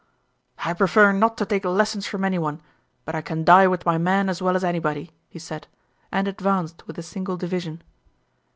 "I prefer not to take lessons from anyone, but I can die with my men as well as anybody," he said, and advanced with a single division.